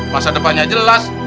masa depannya jelas